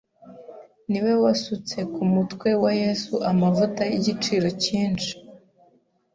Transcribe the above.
Ni we wasutse ku mutwe wa Yesu amavuta y'igiciro cyinshi,